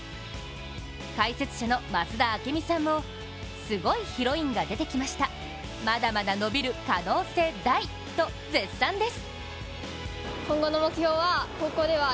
解説者の増田明美さんもすごいヒロインが出てきました、まだまだ伸びる可能性大！と絶賛です。